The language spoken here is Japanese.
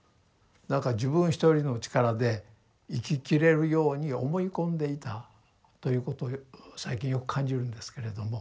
なんか自分一人の力で生ききれるように思い込んでいたということを最近よく感じるんですけれども。